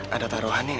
ada taruhan ya